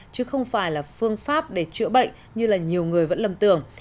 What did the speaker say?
chứ không phải là phương pháp để chữa bệnh như là nhiều người vẫn lầm tưởng